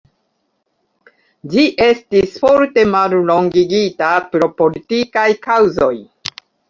Ĝi estis forte mallongigita pro politikaj kaŭzoj.